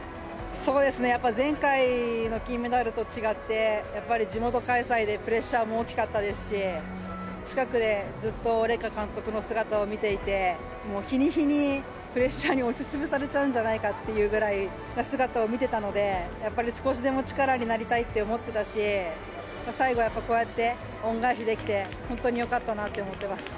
そうですね、やっぱり前回の金メダルと違って、やっぱり地元開催でプレッシャーも大きかったですし、近くでずっと麗華監督の姿を見ていて、もう日に日にプレッシャーに押しつぶされちゃうんじゃないかっていうぐらい、姿を見てたので、やっぱり少しでも力になりたいって思ってたし、最後やっぱりこうやって恩返しできて、本当によかったなって思ってます。